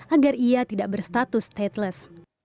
agar ia tidak berstatus stateless